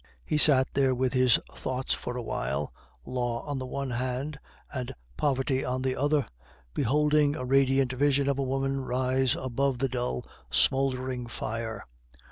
He sat there with his thoughts for a while, Law on the one hand, and Poverty on the other, beholding a radiant vision of a woman rise above the dull, smouldering fire.